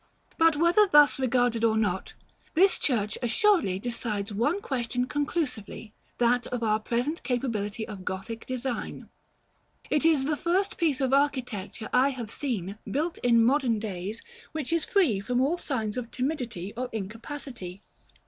But, whether thus regarded or not, this church assuredly decides one question conclusively, that of our present capability of Gothic design. It is the first piece of architecture I have seen, built in modern days, which is free from all signs of timidity or incapacity.